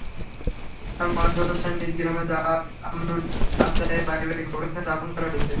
তাঁর মরদেহ তাঁর নিজ গ্রাম জাতআমরুল, আত্রাইয়ের পারিবারিক কবরস্থানে দাফন করা হয়েছে।